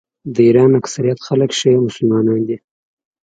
د ایران اکثریت خلک شیعه مسلمانان دي.